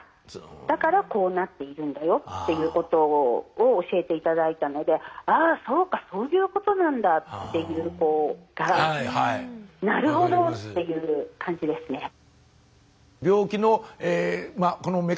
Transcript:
だからこうなっているんだよっていうことを教えて頂いたのであそうかそういうことなんだっていうなるほど！っていう感じですね。